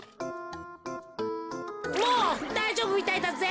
もうだいじょうぶみたいだぜ。